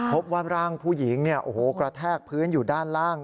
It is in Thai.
พบว่าร่างผู้หญิงกระแทกพื้นอยู่ด้านล่าง